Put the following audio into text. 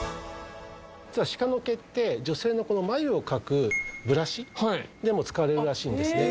実はシカの毛って女性の眉を描くブラシでも使われるらしいんですね。